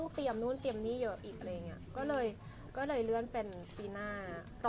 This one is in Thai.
งานแต่งก็คือเหมือนเดิมค่ะ